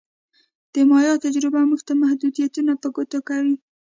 د مایا تجربه موږ ته محدودیتونه په ګوته کوي